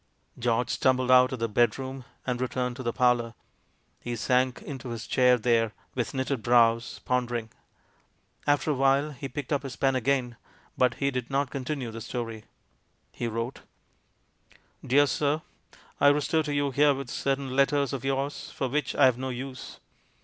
George stumbled out of the bedroom and re turned to the parlour ; he sank into his chair there, with knitted brows, pondering. After a while he picked up his pen again; but he did not con tinue the story. He wrote : "Dear Sir, — I restore to you herewith cer tain letters of yours, for which I have no use.